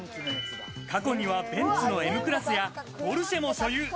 過去にはベンツのＭクラスやポルシェも所有。